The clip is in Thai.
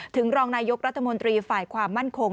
รองนายกรัฐมนตรีฝ่ายความมั่นคง